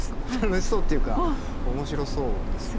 楽しそうっていうか面白そうですよね。